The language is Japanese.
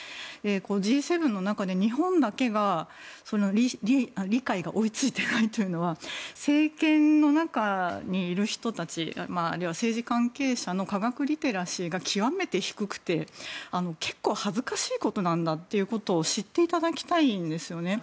Ｇ７の中で日本だけが、理解が追い付いていないというのは政権の中にいる人たちあるいは政治関係者の科学リテラシーが極めて低くて結構恥ずかしいことなんだということを知っていただきたいんですよね。